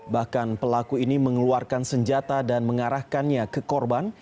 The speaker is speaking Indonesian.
bahkan pelaku ini mengeluarkan senjata dan mengarahkannya ke korban